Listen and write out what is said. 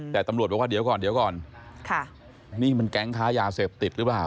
แต่ตำรวจบอกว่าเดี๋ยวก่อนเดี๋ยวก่อนนี่มันแก๊งค้ายาเสพติดหรือเปล่า